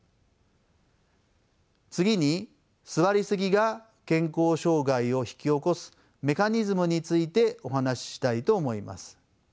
次に座りすぎが健康障害を引き起こすメカニズムについてお話ししたいと思います。